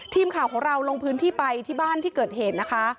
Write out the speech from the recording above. ทีมข่าวของเราลงพื้นที่ไปที่บ้านที่เกิดเหตุนะคะ